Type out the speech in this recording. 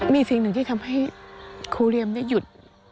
มีสิ่งหนึ่งที่ทำให้ครูเรียมได้หยุด